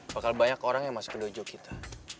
bakal banyak orang yang masuk ke dojo kita